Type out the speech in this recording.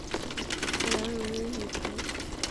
难溶于乙醇。